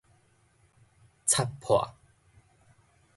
鑿破